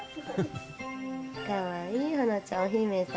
かわいい保乃ちゃんお姫様。